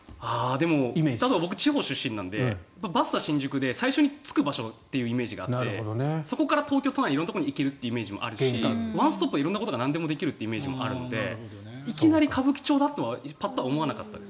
でも僕は地方出身なのでバスタ新宿で最初に着く場所というイメージがあってそこに東京都内の色んなところに行けるイメージがあってワンストップで色んなことがなんでもできるというイメージがあるのでいきなり歌舞伎町だとは思わなかったです。